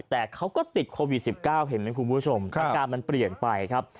แต่เขาก็ติดโควิด๑๙เห็นไหมคุณผู้ชมอาการมันเปลี่ยนไปครับ